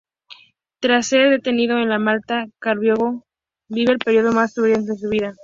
Tras ser detenido en Malta, Caravaggio vive el período más turbulento de su vida.